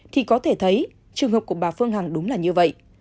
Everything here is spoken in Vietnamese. thì có thể thấy trường hợp của bà phương hằng đúng là như vậy